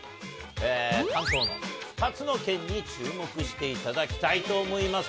関東の２つの県に注目していただきたいと思います。